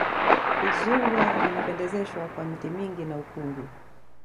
udzungwa inapendezeshwa kwa miti mingi na ukungu